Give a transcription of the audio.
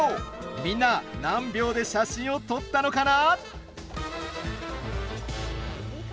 みんな何秒で写真を撮ったのかな？